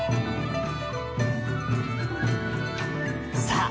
さあ